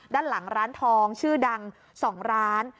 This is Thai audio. ด้านหลังร้านทองชื่อดัง๒ร้าน